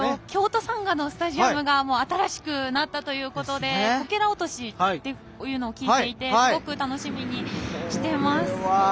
京都サンガのスタジアムが新しくなったということでこけら落としというのを聞いていてすごく楽しみにしています。